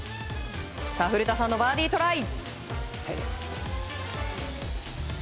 古田さんのバーディートライ。